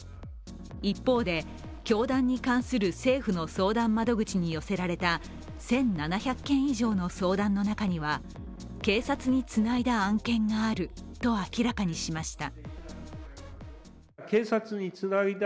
一方で、教団に関する政府の相談窓口に寄せられた１７００件以上の相談の中には、警察につないだ案件があると明らかにしました。